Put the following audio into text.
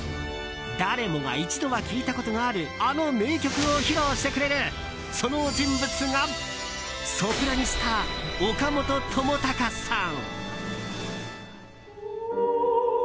誰もが一度は聴いたことがあるあの名曲を披露してくれるその人物がソプラニスタ、岡本知高さん。